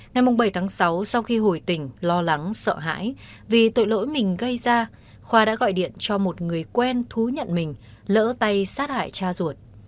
ngày bảy tháng sáu sau khi hồi tình lo lắng sợ hãi vì tội lỗi mình gây ra khoa đã gọi điện cho một người quen thú nhận mình lỡ tay sát hại cha ruột